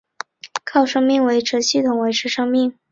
靠生命维持系统维持生命。